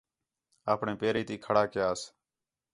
اپݨے پیریں تی کھڑا کیاس